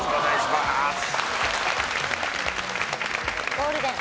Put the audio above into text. ゴールデン。